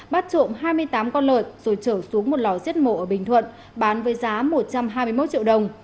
bắt trộm hai mươi tám con lợn rồi trở xuống một lò giết mổ ở bình thuận bán với giá một trăm hai mươi một triệu đồng